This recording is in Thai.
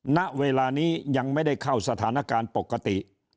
ณเวลานี้ยังไม่ได้เข้าสถานการณ์ปกติ